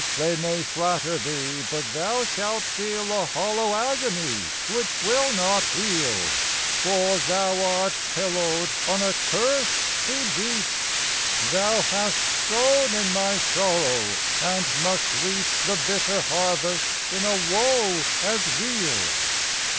they may flatter thee, but thou shall feel A hollow agony which will not heal, For thou art pillowed on a curse too deep; Thou hast sown in my sorrow, and must reap The bitter harvest in a woe as real!